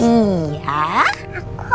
terima kasih keya